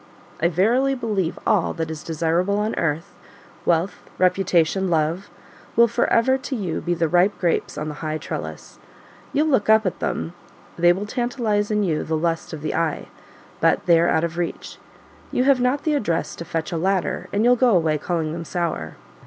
I verily believe all that is desirable on earth wealth, reputation, love will for ever to you be the ripe grapes on the high trellis: you'll look up at them; they will tantalize in you the lust of the eye; but they are out of reach: you have not the address to fetch a ladder, and you'll go away calling them sour."